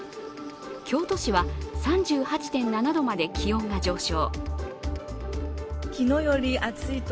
京都市は３８．７度まで気温が上昇。